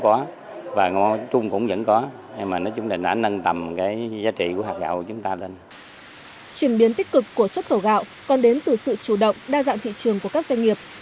chuyển biến tích cực của xuất khẩu gạo còn đến từ sự chủ động đa dạng thị trường của các doanh nghiệp